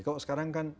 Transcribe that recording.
kalau sekarang kan